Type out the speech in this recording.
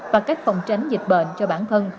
và cách phòng tránh dịch bệnh cho bản thân